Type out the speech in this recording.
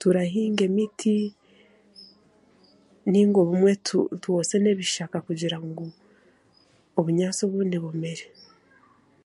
Turahinga emiti ninga obumwe twoosye n'ebishaaka kugira ngu obunyaasi obundi bumere.